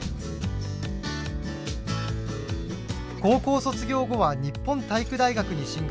高校卒業後は日本体育大学に進学。